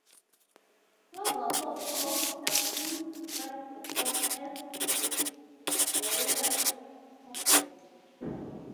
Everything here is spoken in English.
Clover Hope of "W" described the song as "vigorously immodest".